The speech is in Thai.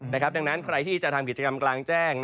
ดังนั้นใครที่จะทำกิจกรรมกลางแจ้ง